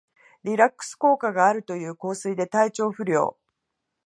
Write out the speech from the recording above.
リラックス効果があるという香水で体調不良